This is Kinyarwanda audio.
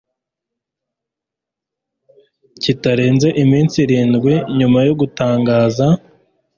kitarenze iminsi irindwi nyuma yo gutangaza